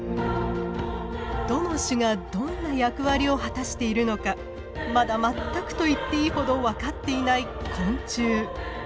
どの種がどんな役割を果たしているのかまだ全くといっていいほど分かっていない昆虫。